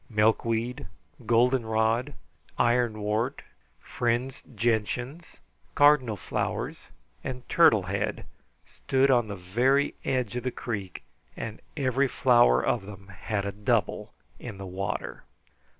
Milkweed, goldenrod, ironwort, fringed gentians, cardinal flowers, and turtle head stood on the very edge of the creek, and every flower of them had a double in the water.